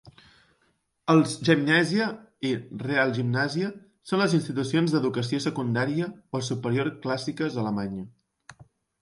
Els Gymnasia y Realgymnasia són les institucions d'educació secundària o superior clàssiques a Alemanya.